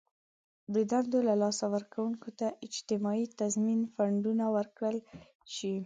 د دندو له لاسه ورکوونکو ته اجتماعي تضمین فنډونه ورکړل شي.